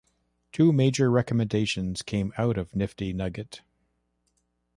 Two major recommendations came out of Nifty Nugget.